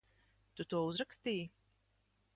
Tu to uzrakstīji?